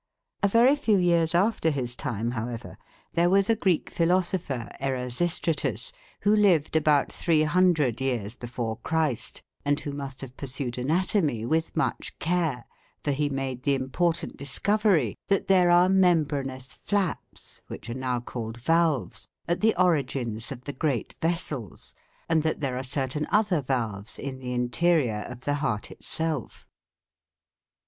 A very few years after his time, however, there was a Greek philosopher, Erasistratus, who lived about three hundred years before Christ, and who must have pursued anatomy with much care, for he made the important discovery that there are membranous flaps, which are now called "valves," at the origins of the great vessels; and that there are certain other valves in the interior of the heart itself.